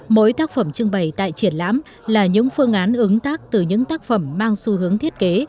mỗi tác phẩm trưng bày tại triển lãm là những phương án ứng tác từ những tác phẩm mang xu hướng thiết kế